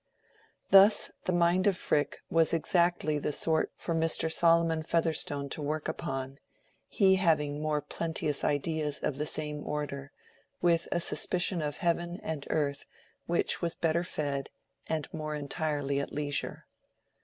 Thus the mind of Frick was exactly of the sort for Mr. Solomon Featherstone to work upon, he having more plenteous ideas of the same order, with a suspicion of heaven and earth which was better fed and more entirely at leisure.